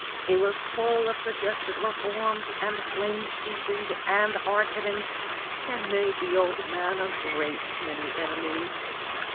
It was full of suggested reforms and plain speaking and hard hitting, and made the old man a great many enemies.